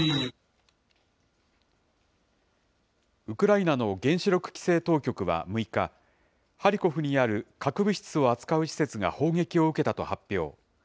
ウクライナの原子力規制当局は６日、ハリコフにある核物質を扱う施設が砲撃を受けたと発表。